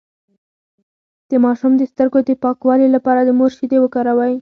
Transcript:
د ماشوم د سترګو د پاکوالي لپاره د مور شیدې وکاروئ